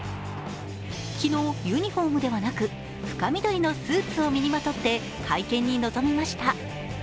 昨日、ユニフォームではなく深緑のスーツを身にまとって会見に臨みました。